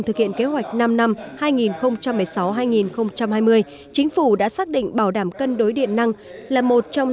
thực hiện kế hoạch năm năm hai nghìn một mươi sáu hai nghìn hai mươi chính phủ đã xác định bảo đảm cân đối điện năng là một trong